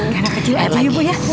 karena kecil aja ibu ya